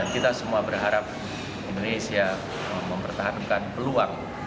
kita semua berharap indonesia mempertahankan peluang